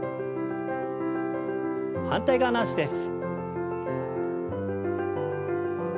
反対側の脚です。